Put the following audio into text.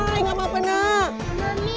duh a shush perlahan